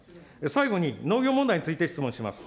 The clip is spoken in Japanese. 最後に、農業問題について質問します。